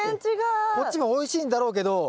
こっちもおいしいんだろうけど。